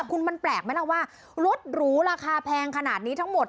คุณมันแปลกไหมล่ะว่ารถหรูราคาแพงขนาดนี้ทั้งหมด